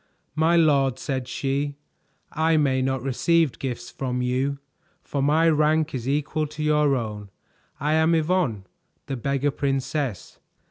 "My lord," said she, "I may not receive gifts from you, for my rank is equal to your own. I am Yvonne, the Beggar Princess."